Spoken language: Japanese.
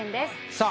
さあ